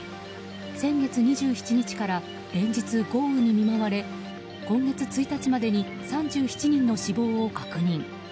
先月２７日から連日、豪雨に見舞われ今月１日までに３７人の死亡を確認。